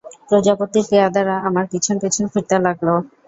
প্রজাপতির পেয়াদারা আমার পিছন পিছন ফিরতে লাগল।